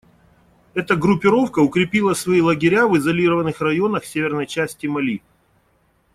Эта группировка укрепила свои лагеря в изолированных районах северной части Мали.